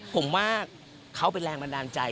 ผมว่าเขาเป็นแรงบันดาลใจ